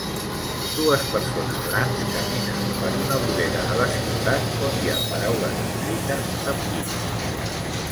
Dues persones grans caminen per una vorera de la ciutat on hi ha paraules escrites amb guix.